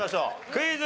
クイズ。